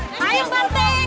kepang bing bung yuk